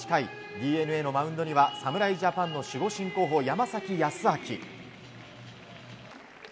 ＤｅＮＡのマウンドには侍ジャパンの守護神候補山崎康晃。